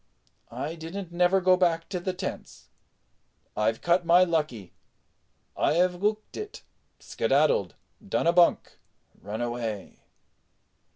"I didn't never go back to the tents. I've cut my lucky, I 'ave 'ooked it, skedaddled, done a bunk, run away."